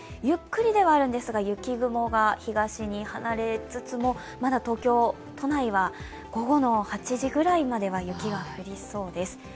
ゆっくりではあるんですが、雪雲が東に離れつつもまだ東京都内は午後の８時くらいまでは雪が降りそうです。